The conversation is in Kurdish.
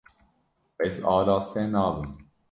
Ez araste nabim.